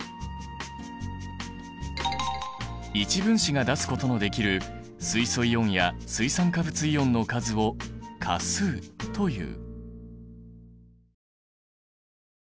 １分子が出すことのできる水素イオンや水酸化物イオンの数を価数という。